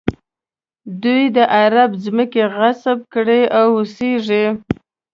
دوی د عربو ځمکې غصب کړي او اوسېږي.